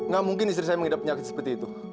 gak mungkin istri saya mengidap penyakit seperti itu